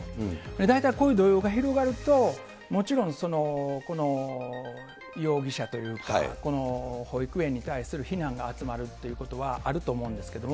大体こういう動揺が広がると、もちろんその、この容疑者というか、この保育園に対する非難が集まるということはあると思うんですけれども。